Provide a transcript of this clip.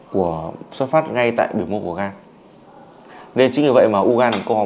khoa ung bướu bệnh viện đảo y hà nội